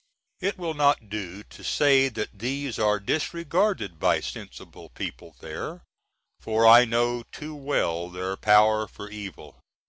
It will not do to say that these are disregarded by sensible people there, for I know too well their power for evil.